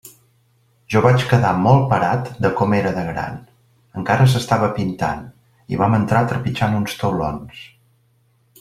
Jo vaig quedar molt parat de com era de gran; encara s'estava pintant, i vam entrar trepitjant uns taulons.